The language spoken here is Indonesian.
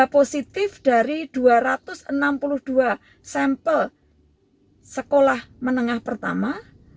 tiga positif dari dua ratus enam puluh dua sampel sekolah menengah pertama